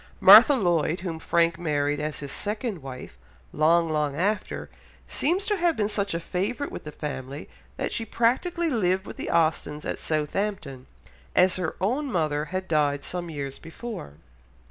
Martha Lloyd, whom Frank married as his second wife, long, long after, seems to have been such a favourite with the family that she practically lived with the Austens at Southampton, as her own mother had died some years before.